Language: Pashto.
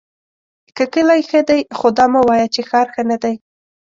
که کلی ښۀ دی خو دا مه وایه چې ښار ښۀ ندی!